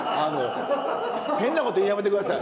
変なこと言うんやめて下さい。